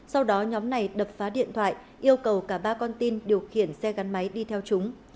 sau đó nhóm này đập phá điện thoại yêu cầu cả ba con tin điều khiển xe gắn máy đi theo chúng